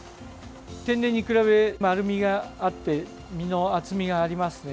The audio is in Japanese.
天然に比べ、丸みがあって身の厚みがありますね。